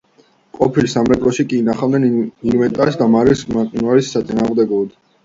ყოფილ სამრეკლოში კი ინახავდნენ ინვენტარს და მარილს მოყინვის საწინააღმდეგოდ.